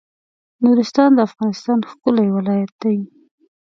نورستان د افغانستان ښکلی ولایت دی